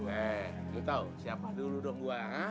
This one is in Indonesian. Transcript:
eh lu tau siapa dulu dong gue ha